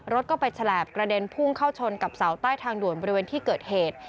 รถก็ไปฉลาบกระเด็นพุ่งเข้าชนกับเสาใต้ทางด่วนบริเวณที่เกิดเหตุ